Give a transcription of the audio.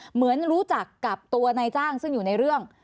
เหมือนรู้จักกับตัวนายจ้างซึ่งอยู่ในเรื่อง